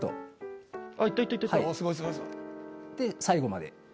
最後まで。